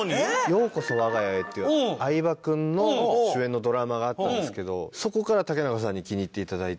『ようこそ、わが家へ』っていう相葉君の主演のドラマがあったんですけどそこから竹中さんに気に入っていただいて